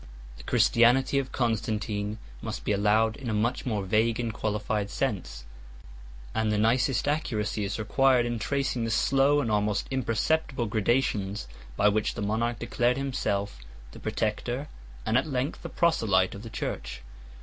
6 The Christianity of Constantine must be allowed in a much more vague and qualified sense; and the nicest accuracy is required in tracing the slow and almost imperceptible gradations by which the monarch declared himself the protector, and at length the proselyte, of the church.